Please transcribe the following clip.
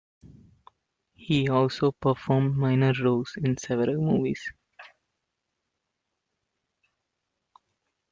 He also performed minor roles in several movies.